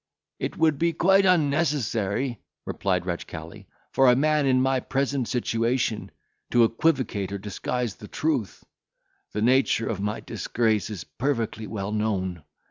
"It would be quite unnecessary," replied Ratchcali, "for a man in my present situation to equivocate or disguise the truth. The nature of my disgrace is perfectly well known.